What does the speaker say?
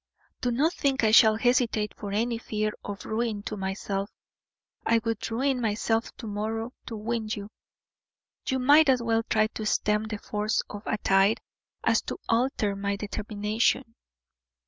Do not think I shall hesitate from any fear of ruin to myself; I would ruin myself to morrow to win you. You might as well try to stem the force of a tide as to alter my determination."